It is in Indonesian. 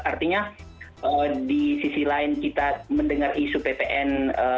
artinya di sisi lain kita mendengar isu ppn